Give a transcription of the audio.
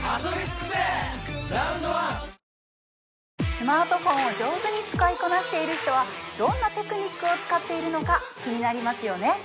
スマートフォンを上手に使いこなしている人はどんなテクニックを使っているのか気になりますよね